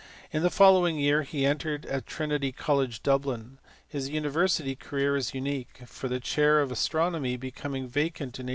In the following year he entered at Trinity College, Dublin: his university career is unique, for the chair of astronomy be coming vacant in 1827.